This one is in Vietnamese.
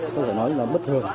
có thể nói là bất thường